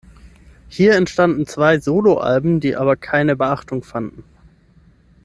Hier entstanden zwei Soloalben, die aber keine Beachtung fanden.